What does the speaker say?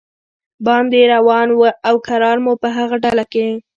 باندې روان و او کرار مو په هغه ډله کې.